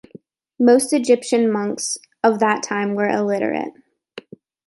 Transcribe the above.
Most Egyptian monks of that time were illiterate.